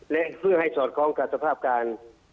และเพื่อให้สอดคล้องกับสภาพการ